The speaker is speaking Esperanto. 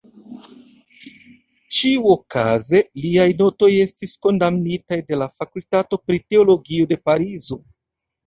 Ĉiuokaze, liaj notoj estis kondamnitaj de la Fakultato pri Teologio de Parizo.